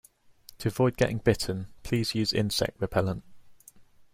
To avoid getting bitten, please use insect repellent